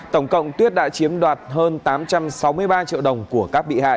tổng cộng tuyết đã chiếm đoạt hơn tám trăm sáu mươi ba triệu đồng của các bị hại